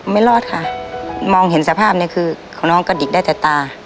ไม่รอดค่ะมองเห็นสภาพเนี่ยคือของน้องกระดิกได้แต่ตา